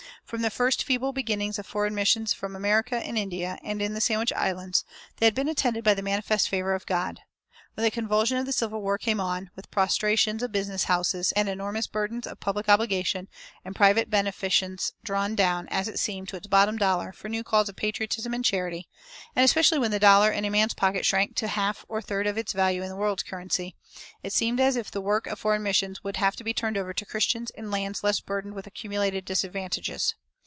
From the first feeble beginnings of foreign missions from America in India and in the Sandwich Islands, they had been attended by the manifest favor of God. When the convulsion of the Civil War came on, with prostrations of business houses, and enormous burdens of public obligation, and private beneficence drawn down, as it seemed, to its "bottom dollar" for new calls of patriotism and charity, and especially when the dollar in a man's pocket shrank to a half or a third of its value in the world's currency, it seemed as if the work of foreign missions would have to be turned over to Christians in lands less burdened with accumulated disadvantages.